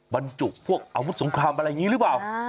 บรรจุพวกอาวุธสงครามอะไรอย่างนี้หรือเปล่า